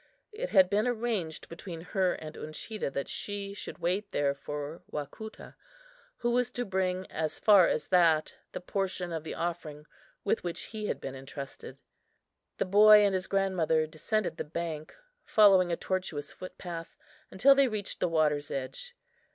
It had been arranged between her and Uncheedah that she should wait there for Wacoota, who was to bring as far as that the portion of the offering with which he had been entrusted. The boy and his grandmother descended the bank, following a tortuous foot path until they reached the water's edge.